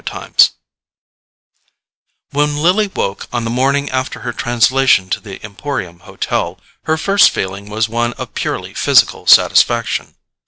Chapter 9 When Lily woke on the morning after her translation to the Emporium Hotel, her first feeling was one of purely physical satisfaction.